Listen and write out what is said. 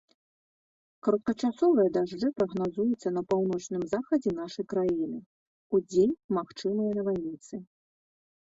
Кароткачасовыя дажджы прагназуюцца на паўночным захадзе нашай краіны, удзень магчымыя навальніцы.